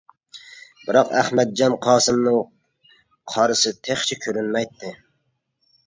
بىراق ئەخمەتجان قاسىمىنىڭ قارىسى تېخىچە كۆرۈنمەيتتى.